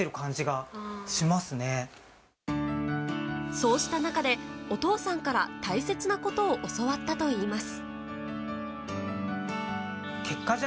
そうした中で、お父さんから大切なことを教わったといいます。